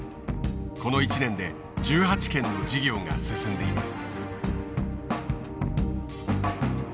この１年で１８件の事業が進んでいます。